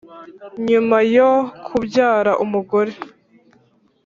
. Nyuma yo kubyara umugore